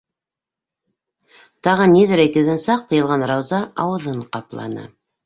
- Тағы ниҙер әйтеүҙән саҡ тыйылған Рауза ауыҙын ҡапланы.